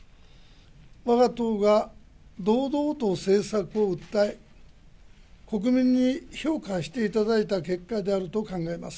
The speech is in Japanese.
わが党が堂々と政策を訴え、国民に評価していただいた結果であると考えます。